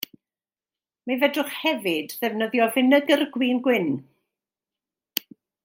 Mi fedrwch hefyd ddefnyddio finegr gwin gwyn.